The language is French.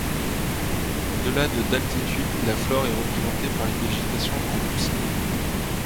Au-delà de d'altitude, la flore est représentée par une végétation en coussinets.